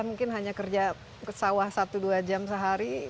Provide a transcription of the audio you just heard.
mungkin hanya kerja ke sawah satu dua jam sehari